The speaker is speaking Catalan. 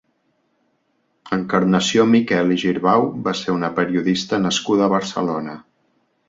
Encarnació Miquel i Girbau va ser una periodista nascuda a Barcelona.